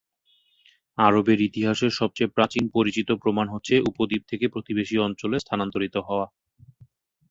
আরবের ইতিহাসের সবচেয়ে প্রাচীন পরিচিত প্রমাণ হচ্ছে উপদ্বীপ থেকে প্রতিবেশী অঞ্চলে স্থানান্তরিত হওয়া।